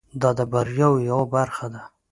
دا د بریاوو یوه برخه ده.